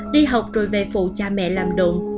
đi học rồi về phụ cha mẹ làm đồn